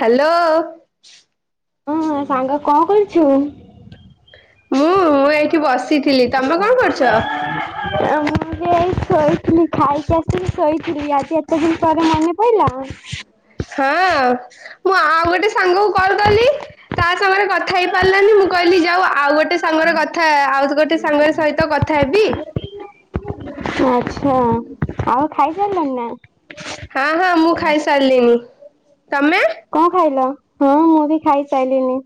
Hello. ହଁ ସାଙ୍ଗ କଣ କରୁଛୁ? ମୁଁ [unintelligible] ମୁଁ [unintelligible] ଏଇଠି ବସିଥିଲି ତମେ କଣ କରୁଛ? ଶୋଇଥିଲି ଖାଇକି ଆସିକି ଶୋଇଥିଲି ଆଜି ଏତେ ଦିନ ପରେ ମନେ ପିଲ ହଁଅ ମୁଁ ଆଉ ଗୋଟେ ସାଙ୍ଗକୁ କଲ କଲି ତା ସାଙ୍ଗରେ କଥା ହେଇ ପାରିଲାନି ମୁଁ କହିଲି ଯାଉ ଆଉ ଗୋଟେ ସାଙ୍ଗରେ କଥା ଆଉ ଗୋଟେ ସାଙ୍ଗରେ ସହିତ କଥା ହେବି ହୁଁ ଆଛା ଆଉ ଖାଇସାରିଲଣି ନା? ହଁ ହଁ ମୁଁ ଖାଇସାରିଲିଣି ତମେ କଣ ଖାଇଲ ହଁ ମୁଁ ବି ଖାଇସାଇଲିିନି।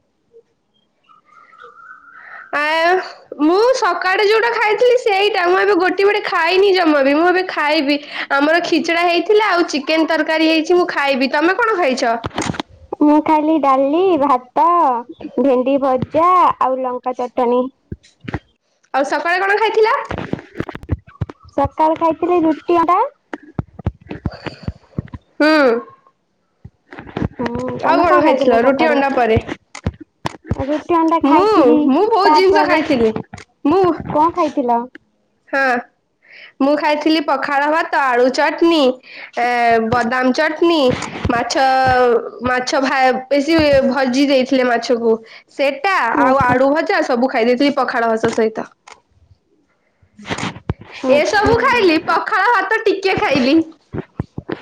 [inaudible] ଆଉ ମୁଁ ସକାଳେ ଯୋଉଟା ଖାଇଥିଲି ସେଇଟା ମୁଁ ଏବେ ଗୋଟେ ଗୋଟେ ଖାଇନି ଜମା ବି ମୁଁ ଏବେ ଖାଇବି। ଆମର ଛିଚଡା ହେଇଥିଲା ଆଉ ଚିକେନ ତରକାରୀ ହେଇଛି ମୁଁ ଖାଇବି ତମେ କଣ ଖାଇଛ? ମୁଁ ଖାଲି ଡାଲି ଭାତ ଭେଣ୍ଡି ଭଜା। ଆଉ ଲଙ୍କା ଚଟଣି। ଆଉ ସକାଳେ କଣ ଖାଇଥିଲା? ସଖାଳେ ଖାଇଥିଲି ରୁଟି ଅଣ୍ଡା ହୁଁ। ହୁଁ ଆଉ ତମେ କଣ ଖାଇଥିଲ ରୁଟି ସକାଳେ ଅଣ୍ଡା ପରେ ରୁ ରୁଟି ଅଣ୍ଡା ମୁଁ ଖାଇଥିଲି ମୁଁ ବହୁତ ଜିନିଷ ତାପରେ ଖାଇଥିଲି ମୁଁ କଣ ଖାଇଥିଲ? ହଁ। ମୁଁ ଖାଇଥିଲି ପଖାଳ ଭାତ ଆଳୁ ଚଟଣି ଏଁ ବଦାମ ଚଟଣି ମାଛ ମାଛ ଭା ବେଶୀ ଭଜି ଦେଇଥିଲେ ମାଛକୁ ସେଟା ଆଉ ଆଚ୍ଛା ଆଳୁ ଭଜା ସବୁ ଖାଇଦେଇଥିଲି ପଖାଳ ଭାତ ସହିତ ଏସବୁ ଆଚ୍ଛା ଖାଇଲି ପଖାଳ ଭାତ ଟିକେ ଖାଇଲି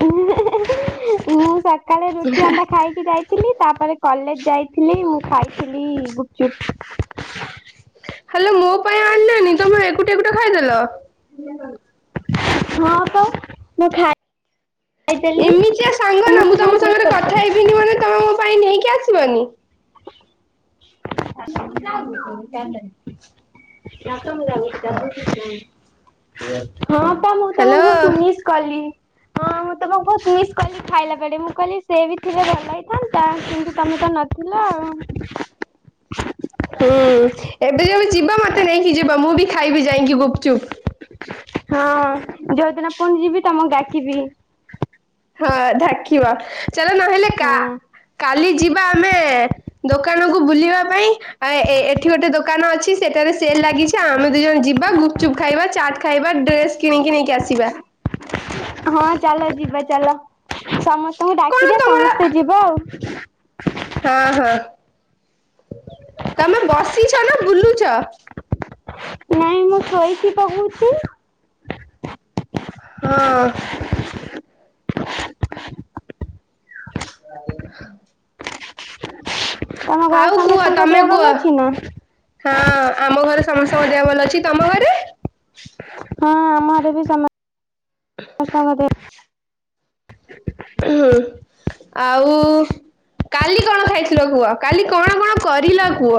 ଉଁ ହୁଁ ମୁଁ ସକାଳେ ରୁଟି ଅଣ୍ଡା ଖାଇକି ଯାଇଥିଲି ତାପରେ ମୁଁ କଲେଜ ଯାଇଥିଲି ମୁଁ ଖାଇଥିଲି ଗୁପଚୁପ ହେଲେ ମୋ ପାଇଁ ଆଣିଲନି ତମେ ଏକୁଟିଆ ଏକୁଟିଆ ଖାଇଦେଲ ହଁ ତ ମୁଁ ଖାଇ ଏମିତିଆ ସାଙ୍ଗ ନା ମୁଁ କୁ ତମ ବହୁତ ମିସ୍ ସାଙ୍ଗରେ କଥା କରିଥିଲି। ହେବିନି ମାନେ ତମେ ମୋ ପାଇଁ ନେଇକି ଆସିବନି [inaudible] ନାଟ ମୁଁ ଯାଉଛି [unintelligible] ଜାଗୁଛି ହଁ ତ ମୁଁ ତମକୁ ବହୁତ ମିସ୍ କଲି ହ ହଁ ମୁଁ [inaudible] ତମକୁ ବହୁତ ମିସ୍ କଲି ଖାଇଲା ବେଳେେ ମୁଁ କହିଲି ସେ ବି ଥିଲେ ଭଲ ହେଇଥାନ୍ତା କିନ୍ତୁ ତମେ ତ ନଥିଲ ଅ ହଁ। ହୁଁ ଏବେ ଯେବେ ଯିବ ମତେ ନେଇକି ଯିବା ମୁଁ ବି ଖାଇବି ଯାଇକି ଗୁପଚୁପ୍ ହଁ ଯୋଉଦିନ ପୁଣି ଯିବି ତମକୁ ଡାକିବି ହଁ ଢାକିବା ଚାଲ ନହେଲେ କା ହଁ। କାଲି ଯିବା ଦେଖିବା ଆମେ ଦୋକାନକୁୁ ବୁଲିବା ପାଇଁ ଆଏଁ ଏ ଏଠି ଗୋଟେ ଦୋକାନ ଦୋକାନ ଅଛି ସେଠାରେ ସେଲ୍ ଲାଗିଛି ଆମେ ଦୁଇ ଜଣ ଯିବା ଗୁପଚୁପ୍ ଖାଇବା ଚାଟ୍ ଖାଇବା ଡ୍ରେସ୍ କିଣିକି ନେଇକି ଆସି ଯିବା ହଁ ଚାଲ ଯିବା ଚାଲ ସମସ୍ତଙ୍କୁ କଣ ଡାକିବେ ତମର ସମସ୍ତେ ଯିବ ଅ ହଁ ହଁ। ତମେ ବସିଛ ନା ବୁଲୁଛ? ନାଇଁ ମୁଁ ଶୋଇଛିି କହୁଚି। ହଁ। ତମ ଘରେ ଆଉ କୁହ ସମସ୍ତଙ୍କ ତମେ ଦେହ କୁହ ଭଲ ଅଛି ନା ହଁ ଆମ ଘରେ ସମସ୍ତଙ୍କ ଦେହ ଭଲ ଅଛି। ତମ ଘରେ? ହଁ ଆମର ବି ସମ ସମତେ ଦେହ ଆଉ। କାଲି କଣ ଖାଇଥିଲ କୁହ କାଲି କଣ କଣ କରିଲ କୂହ?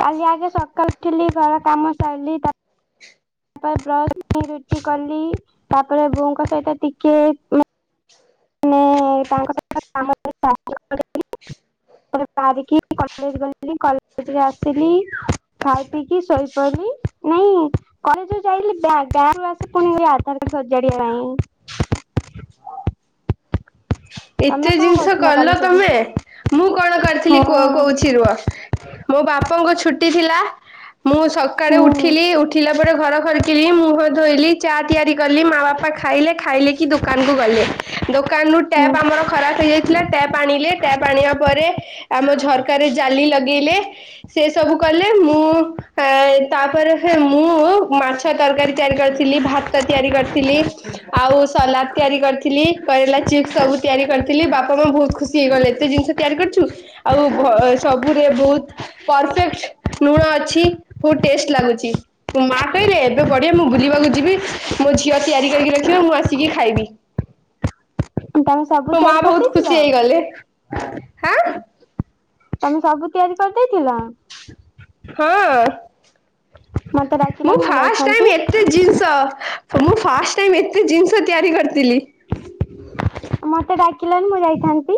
କାଲି ଆଗେ ସକାଳୁ ଉଠିଲି ଘର କାମ ସାରିଲି ତାପରେ ବ୍ରସ୍ ରୁଟି କଲି ତାପରେ ବୋଉଙ୍କ ସହିତ ଟିକିଏ ମୁଁ ତାଙ୍କ ସହି କାମ ସାହାଯ୍ୟ [unintelligible] ହ ହଁ [inaudible] ପରେ ବାହାରିକି କଲେଜ ଗଲି କଲେଜରେ ଆସିଲି ଖାଇ ପିଇକି ଶୋଇପଡ଼ିଲି। ନାଇଁ କଲେଜ ଯାଇଲେ ଗାଁରୁ ଆସ ପୁଣି ଆଧାର କାର୍ଡ ସଜାଡିବା ପାଇଁ ତମେ ଏତେ କଣ ଜିନିଷ କରୁଥିଲ କଲ କାଲି ସବୁ? ତମେ? ମୁଁ କଣ ହଁ କରିଥିଲି କୁହ କହୁଛି ରୁହ ମୋ ବାପାଙ୍କ ଛୁଟି ଥିଲା ମୁଁ ସକାଳେ ହୁଁ ଉଠିଲି ଉଠିଲା ପରେ ଘର ଖରକିଲି ମୁହ ଧୋଇଲି ଚା ତିଆରି କଲି ମା ବାପା ଖାଇଲେ ଖାଇଲେ କି ଦୋକାନୁ ଗଲେ ଦୋକାନ ହୁଁ ଟ୍ୟାପ୍ ଆମର ଖରାପ ହେଇଯାଇଥିଲା ଟ୍ୟାପ୍ ଆଣିଲେ ଟ୍ୟାପ୍ ଆଣିବା ପରେ ଆମ ଝରକାରେ ଜାଲି ଲଗେଇଲେ। ସେ ସବୁ କଲେ ମୁଁ ଏଁ ତାପରେ ମୁଁ ମାଛ ତରକାରୀ ତିଆରି କରିଥିଲି ଭାତ ତିଆରି କରିଥିଲି ଆଉ ସଲାଦ୍ ତିଆରି କରିଥିଲି କରରେଲା ଚିପ୍ସ ସବୁ ତିଆରି କରିଥିଲି ବାପା ମା ବହୁତ ଖୁସି ହେଇଗଲେ ଏତେ ଜିନିଷ ତିଆରି କରିଛୁ। ଆଉ ବହ [unintelligible] ସବୁରେ ବହୁତ ପରଫେକ୍ଟ୍। ଲୁଣ ଅଛି ପୁଟ୍। [unintelligible] ଟେଷ୍ଟ୍ ଲାଗୁଛି ମା କହିଲେ ଏବେ ବଢିଆ ମୁଁ ବୁଲିବାକୁ ଯିବି ମୋ ଝିଅ ତିଆରି କରି ରଖିବ ଆସିକି ଖାଇବି। ତମେ ସବୁ ମୋ ମା ତିଆରି ବହୁତ ଖୁସି ହେଇଗଲେ ହାଁ କରିଦେଇଥିଲ? ତମେ ସବୁ ତିଆରି କରି ଦେଇଥିଲ? ହଁ ମତେ ମୁଁ ଡାକିଲନି ଫାଷ୍ଟ ଯାଇଥାନ୍ତି ଟାଇମ୍ ଏତେ ଜିନିଷ ମୁଁ ଫାଷ୍ଟ ଟାଇମ୍ ଏତେ ଜିନିଷ ତିଆରି କରିଥିଲି। ମତେ ଡାକିଲନି ମୁଁ ଯାଇଥାନ୍ତି।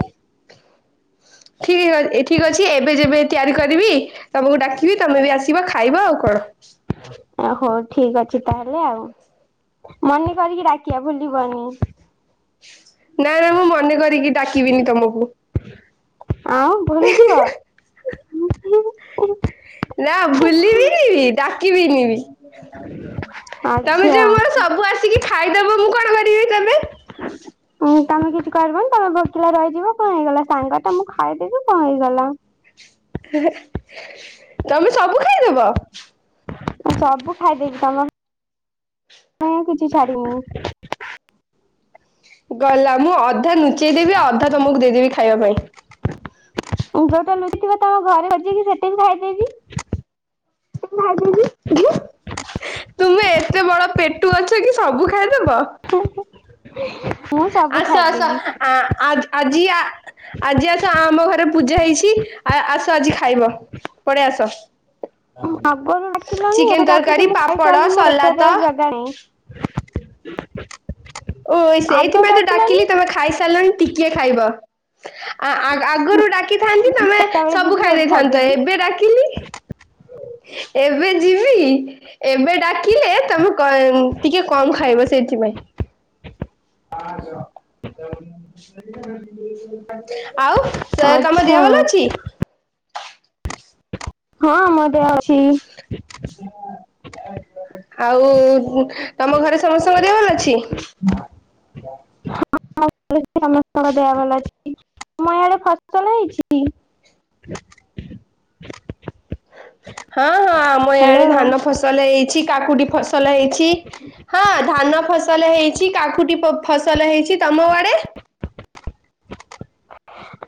ଠିକ ଅ ଠିକ ଅଛି ଏବେ ଯେବେ ତିଆରି କରିବି ତମକୁ ଡାକିବି ତମେ ବି ଆସିବ ଖାଇବ ଆଉ କଣ। ବଡ଼। ହଉ ଠିକ ଅଛି ତାହେଲେ ଆଉ ମନେ କରିକି ଡାକିବା। ଭୁଲିବନି। ନା ନା ମୁଁ ମନେ କରିକି ଡାକିବିନି ତମକୁ ଆଉ ଭୁଲି ଯିବ। ନା ଭୁଲିବିନି ଡା ଡ଼ାକିବନି ବି ତମେ ଆଚ୍ଛା। ଯୋଉ ମୋର ସବୁ ଆସିକି ଖାଇଦବ ମୁଁ କଣ କରିବି [unintelligible] ଓ! ତମେ କିଛି କରିବନି ତମେ ଭୋକିଲା ରହିଯିବ କଣ ହେଇଗଲା ସାଙ୍ଗଟା ମୁଁ ଖାଇଦେବି କଣ ହେଇଗଲା। ତମେ ସବୁ ଖାଇଦବ। ସବୁ ଖାଇ ଦେଇକି ତମର ମୁଁ କିଛି ଛାଡ଼ିବିନି। ଗଲା ମୁଁ ଅଧା ନୁ ନୁଚେଇ ଦେବି ଅଧା ତମକୁ ଦେଇଦେବି ଖାଇବା ପାଇଁ। ଯୋଉଟା ଲୁଚିଥିବ ତମ ଘରେ ହଯିକି ସେଟିକି ଖାଇଦେବି। [unintelligible] ତୁମେ ଏତେ ବଡ ପେଟୁ ଅଛ କି ସବୁ ଖାଇଦବ। ସେ ଆସ ଆସ ଆ-ଆଜି ଆଜି ଆସ ଆମ ଘରେ ପୂଜା ହେଇଛି ଆ-ଆସ ଆଜି ଖାଇବ ପଳେଇ ଆସ। ଆଗରୁ ଡାକିଲନି ଏବେ ଚିକେନ ଡାକୁଛି ତରକାରୀ ମୁଁ ପାପଡ଼ ଖାଇସାରିଲିନି ମ ସଲାତ ପେଟରେ ଆଉ ଜଗା ନାହିଁ। ହ ଓ ସେଇଥିପାଇଁ ତ ଡାକିଲନି ଡାକିଲି ତମେ ଖାଇସାରିଲଣି ଟିକିଏ ଖାଇବ। ଆ-ଆଗରୁ ଡାକିଥାନ୍ତି ତମେ ଚାରିଟା ବେଳେ ସବୁ ଯିବି ଖାଇ ଦେଇଥାନ୍ତ ଖାଇଦେବି। ଏବେ ଡାକିଲି। ଏବେ ଯିବି ଏବେ ଡାକିଲେ ତମେ କ ଟିକେ କମ ଖାଇବ ସେଇଥିପାଇଁ। ଆଉ [unintelligible] ତମ ଦେହ ଆଚ୍ଛା। ଭଲ ଅଛି? ହଁ ମତେ ଅଛି। ଆଉ ତମ ଘରେ ସମସ୍ତଙ୍କ ଦେହ ଭଲ ଅଛି। ହଁ ସମ ଦେଆ ଭଲ ଅଛି ତମ ଏଆଡେ ଫସଲ ହେଇଛି? [inaudible] ହଁ ହଁ ଆମ ଇଆଡ ହ୍ୟାଲୋ। ଧାନ ଫସଲ ଏଇ ଇଛି କାକୁଟି ଫସଲ ହେଇଛି ହଁ ଧାନ ଫସଲ ହେଇଛି କାକୁଟି ପ ଫସଲ ହେଇଛି। ତମ ଆଡେ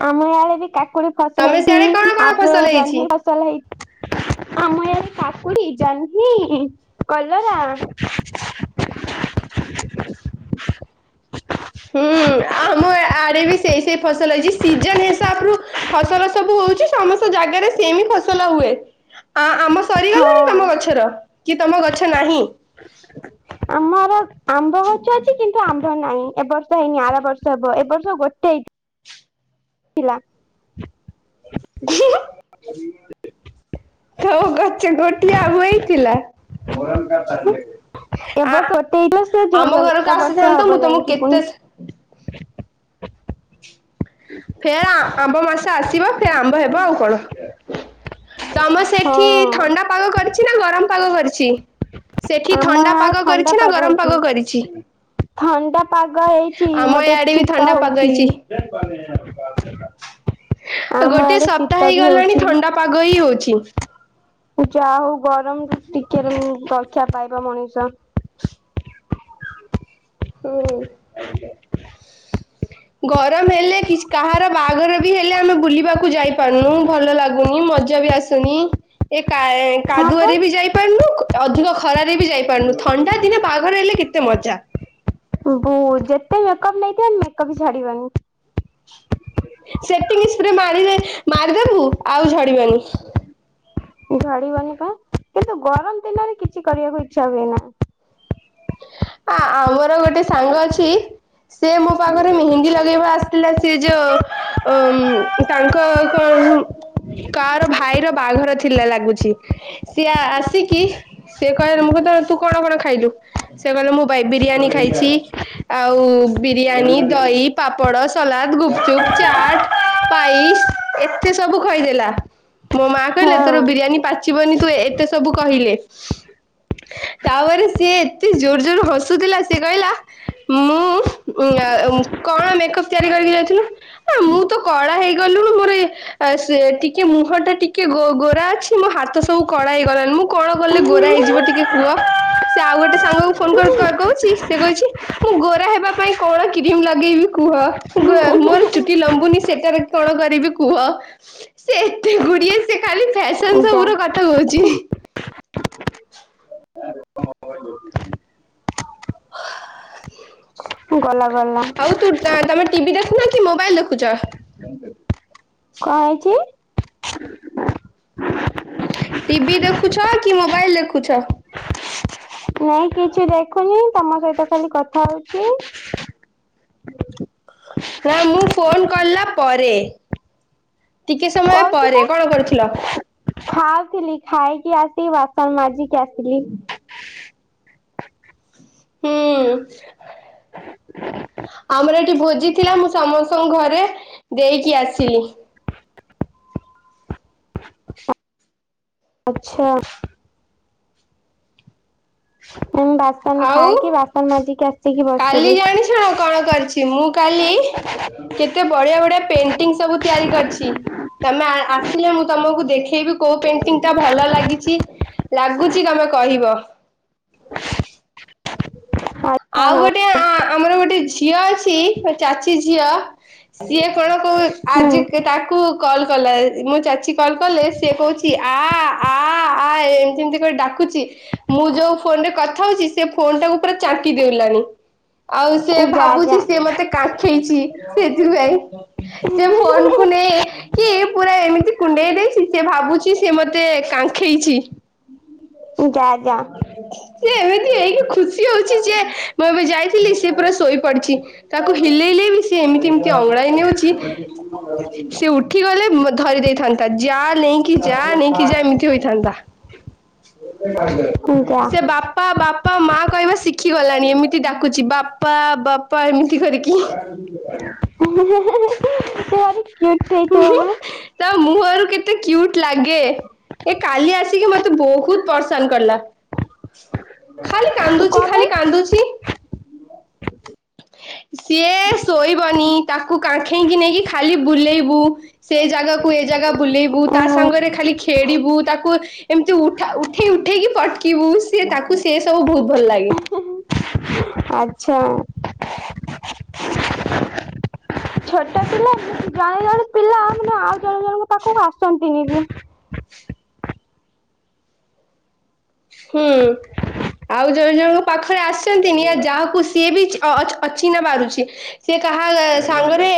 ଆମ ୟାଡେ ବି କାକୁଡି ଫସଲ ତମେ ସିଆଡେ କଣ ହେଇଛି ଆଉ କଣ ଯୋଉ ଫସଲ ହେଇଛି? ଜହ୍ନି ଫସଲ ହେଇ ଆମ ଇଆଡ଼େ କାକୁଡ଼ି ଜହ୍ନି କଲରା ହୁଁ ଆମ ଆ-ଆଡେ ବି ସେଇ ସେଇ ଫସଲ ହେଇଛି ସିଜନ ହିସାବ ରୁ ଫସଲ ସବୁ ହଉଛି ସମସ୍ତ ଜାଗାରେ ସେମିତି ଫସଲ ହୁଏ ଆ-ଆମ ସରିଗଲାଣିି ହଁ ତମ ଗଛର କି ତମ ଗଛ ନାହିଁ। ଆମର ଆମ୍ବ ଗଛ ଅଛି କିନ୍ତୁ ଆମ୍ଭ ନାହିଁ ଏବ ବର୍ଷ ହେଇନି ଆର ବର୍ଷ ହେବ ଏ ବର୍ଷ ଗୋଟେ ହେଇଚି। ଥିଲା। ଘୁଁ। [inaudible] ତୋ ଗଛ ଗୋଟିଏ ଆମ୍ୱ ହେଇଥିଲା। [unintelligible] ଏ ଆ ବର୍ଷ [unintelligible] ଆମ ଘରକୁ ଝଡିଗଲା ବର୍ଷେ ଆସିଥାନ୍ତ ମୁଁ ହବ ତମକୁ ଯାଇକି ପୁଣି। କେତେ ଫେରେ ଆମ୍ବ ମାସ ଆସିବ ଫେରେ ଆମ୍ବ ହେବ ଆଉ କଣ। ତମ ସେଠି ହଁ ଥଣ୍ଡା ପାଗ କରିଚି ନା ଗରମ ପାଗ କରିଚି। ସେଠି ଆମ ଥଣ୍ଡା ଇଆଡେ ପାଗ ଥଣ୍ଡା କରିଛି ନା ଗରମ ହେଇଛି। ପାଗ କରିଛି। ଥଣ୍ଡା ପାଗ ହେଇଚି ଆମ ମତେ ଇଆଡେ ବି ଚିତ ଥଣ୍ଡା ପାଗ ହଉଚି। ହେଇଛି। ଆମ ଗୋଟିଏ ଆଡେ ସପ୍ତାହ ଶୀତ ବି ହେଇଗଲାଣି ହଉଛି। ଥଣ୍ଡା ପାଗ ହିଁ ହଉଛି। ଯା ହଉ ଗରମରୁ ଟିକେ ରକ୍ଷା ପାଇବ ମଣିଷ। ହୁଁ। [inaudible] ଗରମ ହେଲେ କି କାହାର ବାହାଘର ବି ହେଲେ ଆମେ ବୁଲିବାକୁ ଯାଇ ପାରୁନୁ, ଭଲ ଲାଗୁନି, ମଜା ବି ଆସୁନି ଏ କା ହଁ ପା କାଦୁଅରେ ବି ଯାଇପାରୁୁନୁ ଅଧିକ ଖରାରେ ବି ଯାଇପାରୁନୁ ଥଣ୍ଡା ଦିନେ ବାହାଘର ହେଲେ କେତେ ମଜା। ବୁ ଯେତେ ମେକପ୍ ନେଇଥିବେ ମେକପ୍ ବି ଛାଡିବନି। ସେତିକି ସ୍ପ୍ରେ ମାରି ମାରିଦେବୁ ଆଉ ଝଡିବନି। ଝଡିବନି କଁ କିନ୍ତୁ ଗରମ ଦିନରେ କିଛି କରିବାକୁ ଇଚ୍ଛା ହୁଏ ନା। ଆ ଆମର ଗୋଟେ ସାଙ୍ଗ ଅଛି ସିଏ ମୋ ପାଖରେ ମେହେନ୍ଦୀ ଲଗେଇବ ଆସିଥିଲା ସିଏ ଯୋଉ ଅମ୍ ତାଙ୍କ କ କାର ଭାଇର ବାହାଘର ଥିଲା ଲାଗୁଛି, ସିଏ ଆସ କିି ସେ କହିଲେ ମୁଁ କହିଲି ତୁ କଣ କଣ ଖାଇଲୁ, ସେ କହିଲେ ମୁଁ ପାଏ ବିରିୟାନୀ ଖାଇଛି, ଆଉ ବିରିୟାନୀ, ଦହି, ପାପଡ଼, ସଲାଦ ଗୁପଚୁପ୍ ଚାଟ, ପାଇସ୍। ଏତେ ସବୁ କହିଦେଲା ମୋ ମା କହିଲେ ତୋର ହଁ। ବିରିୟାନୀ ପାଚିବନି ତୁ ଏ-ଏତେ ସବୁ କହିଲେ। ତାପରେ ସିଏ ଏତେ ଜୋର ଜୋର ହସୁଥିଲା ସେ କହିଲା ମୁଁ ଏ କଣ ମେକପ୍ ତିଆରି କରି ଯାଇଥିଲୁ, ଆଁ ମୁଁ ତ କଳା ହେଇଗଲୁଣୁ ମୋର ଆ ସେ ଟିକେ ମୁହଁଟା ଟିକେ ଗୋ ଗୋରା ଅଛି ମୋ ହାତ ସବୁ କଳା ହେଇଗଲାଣି ମୁଁ କଣ କଲେ ଗୋରା ହେଇଯିବ ଟିକେ କୁହ। ସେ ଆଉ ଗୋଟେ ସାଙ୍ଗକୁ ଫୋନ କ-କହୁଚି ସେ କହୁଚି ମୁଁ ଗୋରା ହେବା ପାଇଁ କଣ କ୍ରିମ ଲଗେଇବି କୁହ। ଗୋ ମୋର ଚୁଟି ଲମ୍ବୁନି ସେଟାରେ କଣ କରିବି କୁହ, ସେ ଏତେ ଗୁଡିଏ ସେ ଖାଲି ଫ୍ୟାସନ ଯା ସବୁର କଥା କହୁଚି। ହ। ଗଲା। ଗଲା ଆଉ ତୁ ତମେ ଟିଭି ଦେଖୁନ କି ମୋବାଇଲ ଦେଖୁଚ? କଁ ହେଇଛି? ଟିଭି ଦେଖୁଛ କି ମୋବାଇଲ ଦେଖୁଛ? ନାଇଁ କିଛି ଦେଖୁନି ତମ ସହିତ ଖାଲି କଥା ହଉଛି। [unintelligible] ନା ମୁଁ ଫୋନ କଲା ପରେ। ଟିକେ ସମୟ କହୁଚି ପରେ ବା କଣ କରୁଥିଲ? ଖାଉଥିଲି ଖାଇକି ଆସିକି ବା ସନ ମାଜିକି ଆସିଲି। ହୁଁ। [unintelligible] ଆମର ଏଠି ଭୋଜି ଥିଲା ମୁଁ ସମସ୍ତଙ୍କ ଘରେ ଦେଇକି ଆସିଲି। ଆଚ୍ଛା। ମୁଁ ବାସନ ଆଉ ଖାଇକି ବାସନ ମାଜିକି ଆସଚି। କାଲି ଜାଣିଛୁ ନା କଣ କରିଛି, ମୁଁ କାଲି କେତେ ବଢିଆ ବଢିଆ ପେଣ୍ଟିଙ୍ଗ ସବୁ ତିଆରି କରିଛି, ତମେ ଆ-ଆସ। ମୁଁ ତମକୁ ଦେଖେଇବି କୋଉ ପେଣ୍ଟିଂ ଟା ଭଲ ଲାଗିଛି। ଲାଗୁଛି ତମେ କହିବ। ଆଚ୍ଛା ଆଉ ହଉ ଗୋଟେ ଆମର ଗୋଟେ ଝିଅ ଅଛି ଚାଚୀ ଝିଅ- ସିଏ କଣ କ ଆଜି ହୁଁ। ତାକୁ କଲ୍ କଲା ମୋ ଚାଚୀ କଲ୍ କଲେ ସେ କହୁଛି ଆ ଆ ଆ ଏମତିଏମତି ଡା ଖ ମୁଁ ଯୋଉ ଫୋନ ରେ କଥା ହଉଛି ସେ ଫୋନ ଟାକୁ ପୁରା ଚାଟିି ଦେଉଲାଣି। ଆଉ ସିଏ ଯା ଯା ଭାବୁଛି ସିଏ ମତେ କାଖେଇଛି ସେଥିପାଇଁ। ସେ ଫୋନ କ ନେଇ କି ପୁରା ଏମିତି କୁଣ୍ଡେଇ ଦେଇ ସେ ଭାବୁଛି ସେ ମତେ କାଖେଇଛି। ଯା ଯା [unintelligible] ସେ ଏମିତି ହେଇକି ଖୁସି ହଉଛି ଯେ ମୁଁ ଏବେ ଯାଇଥିଲି ସେ ପୁରା ଶୋଇପଡିଛି ତାକୁ ହିଲେଇ ବି ସେ ଏମିତି ଏମିତି ଅଙ୍ଗଡ଼ାଇ ନେଉଛି ସେ ଉଠି ଗଲେ ଧରି ଦେଇଥାନ୍ତା ଯା ନେଇକି ଯା ନେଇକି ଯା ଏମିତି ହୋଇଥାନ୍ତା। [inaudible] କଞା। ସେ ବାପା ବାପା ମା କହିବା ଶିଖି ଗଲାଣି ଏମିତି ଡାକୁଛି ବାପା ବାପା ଏମିତି କରିକି। ହେ ହେ ହେ ସେ ଭାରି କ୍ୟୁଟି ହେଇଥିବ ତା ନା? ମୁହଁରୁ କେତେ କ୍ୟୁଟି ଲାଗେ ଏ କାଲି ଆସିକି ମତେ ବହୁତ ପସନ୍ଦ କଲା। ଖାଲି କାନ୍ଦୁଚି କଣ ଖାଲି ପାଇଁ? କାନ୍ଦୁଛି। [unintelligible] ସିଏ ଶୋଇବନି ତାକୁ କାଖେଇକି ନେଇକି ଖାଲି ବୁଲେଇବୁ ସେଇ ଜାଗାକୁ ଜାଗା ବୁଲେଇବୁ ତା ଓହୋ ସାଙ୍ଗରେ ଖାଲି ଖେଳିବୁ ତାକୁ ଏମିତି ଉଠ ଉଠେଇ ଉଠେଇକି ପଟକିବୁ। ସିଏ ତାକୁ ସିଏ ସବୁ ବହୁତ ଭଲ ଲାଗେ। ଆଛା। ଛୋଟ ପିଲା ଜଣେ ଜଣେ ପିଲା ମାନେ ଆଉ ଜଣେ ଜଣଙ୍କ ପାଖକୁ ଆସନ୍ତିନି ବି। [unintelligible] ହୁଁ ଆଉ ଜଣେ ଜଣଙ୍କ ପାଖରେ ଆସନ୍ତିନି ଯାହାକୁ ସିଏ ବି ଅଛି ନା ବାରୁଛି ସେ କାହା ସାଙ୍ଗରେ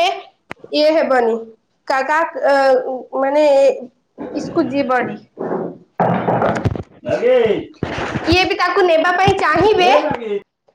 ଇଏ ହେବନି କା କା ଏ ମାନେ ସ୍କୁ ଜୀବନୀ। [inaudible] କିଏ ବି ତାକୁ ନେବା ପାଇଁ ଚାହିଁବେ।